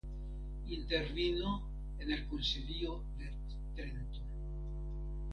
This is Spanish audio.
Intervino en el Concilio de Trento.